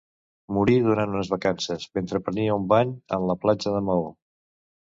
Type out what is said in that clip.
Morí durant unes vacances, mentre prenia un bany en la platja de Maó.